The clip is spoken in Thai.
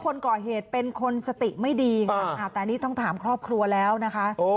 คนก่อเหตุเป็นคนสติไม่ดีค่ะแต่นี่ต้องถามครอบครัวแล้วนะคะ